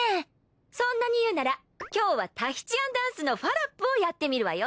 そんなに言うなら今日はタヒチアンダンスのファラップをやってみるわよ。